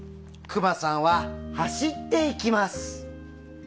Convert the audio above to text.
クマさんは走っていきます。